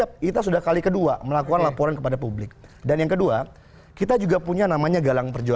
bisa jadi perseorangan yang menyumbang ke kpu